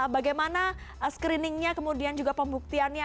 bagaimana screeningnya kemudian juga pembuktiannya